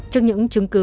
trước những chứng cứ